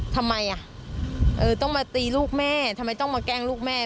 ทำไมอ่ะเออต้องมาตีลูกแม่ทำไมต้องมาแกล้งลูกแม่